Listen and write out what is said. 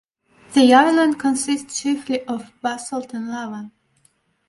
The island consists chiefly of basalt and lava.